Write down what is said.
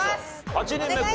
８人目昴